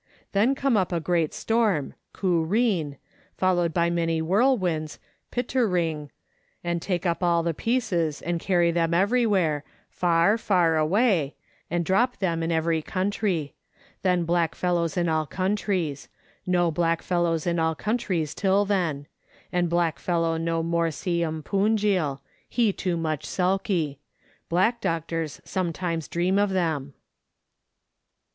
Then come up a great storm (koor reen), followed by many whirlwinds (pit ker ring), and take up all the pieces and carry them everywhere far, far away and drop them in every country ; then blackfellows in all countries ; no blackfellows in all countries till then; and blackfellow no more see 'em Punjil ; he too much sulky. Black doctors sometimes dream of him."